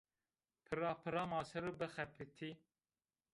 Pira-pira ma ser o bixebitî